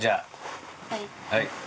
はい。